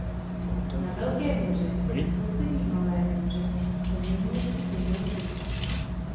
Na Velké hůře i sousední Malé hůře se v minulosti těžil čedič.